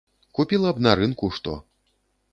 Купіла б на рынку што.